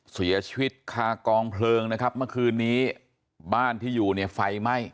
เสียชีวิตคากองเพลิงนะครับเมื่อคืนนี้บ้านที่อยู่เนี่ยไฟไหม้